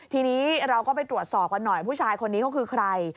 ทีนี้เราก็ไปตรวจสอบกันหน่อยผู้ชายคนนี้เขาคือใคร